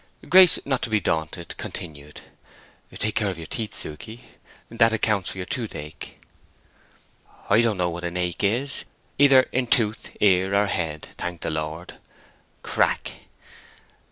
Grace, not to be daunted, continued: "Take care of your teeth, Suke. That accounts for the toothache." "I don't know what an ache is, either in tooth, ear, or head, thank the Lord" (crack).